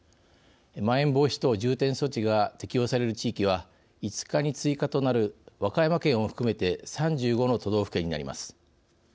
まん延防止等重点措置が適用される地域は５日に追加となる和歌山県を含めて３５の都道府県になります。